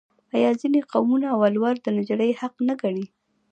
آیا ځینې قومونه ولور د نجلۍ حق نه ګڼي؟